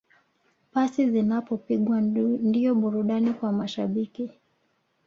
Pasi zinapopigwa ndiyo burudani kwa mashabiki